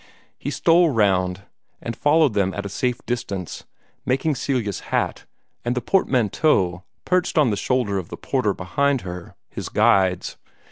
He stole round, and followed them at a safe distance, making Celia's hat, and the portmanteau perched on the shoulder of the porter behind her, his guides.